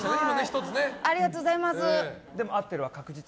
ありがとうございます。